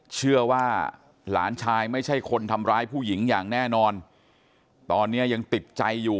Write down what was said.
เชื่อว่าหลานชายไม่ใช่คนทำร้ายผู้หญิงอย่างแน่นอนตอนนี้ยังติดใจอยู่